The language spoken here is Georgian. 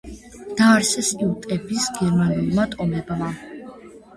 დააარსეს იუტების გერმანულმა ტომებმა.